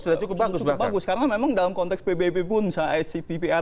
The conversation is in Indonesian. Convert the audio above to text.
sudah cukup bagus karena memang dalam konteks pbb pun misalnya icppr